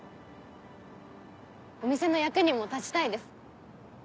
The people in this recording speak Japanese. お店の役にも立ちたいです。